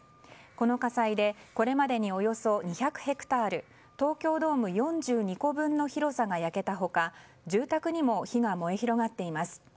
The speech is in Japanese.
この火災で、これまでにおよそ２００ヘクタール東京ドーム４２個分の広さが焼けた他住宅にも火が燃え広がっています。